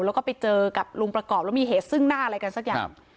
แล้วก็ไปเจอกับลุงประกอบแล้วมีเหตุซึ่งหน้าอะไรกันสักอย่าง